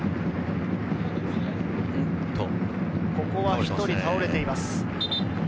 ここは１人倒れています。